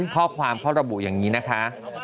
ข้อความเขาระบุอย่างนี้นะคะ